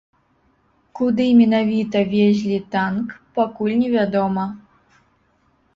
Куды менавіта везлі танк, пакуль невядома.